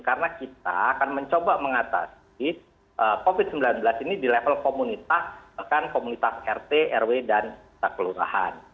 karena kita akan mencoba mengatasi covid sembilan belas ini di level komunitas rekan komunitas rt rw dan sekolahan